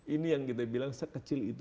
ini yang kita bilang sekecil itu